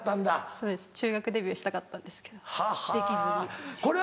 そうです中学デビューしたかったんですけどできずに。